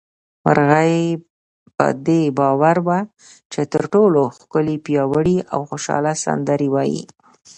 مرغۍ په دې باور وه چې تر ټولو ښکلې، پياوړې او خوشحاله سندرې وايي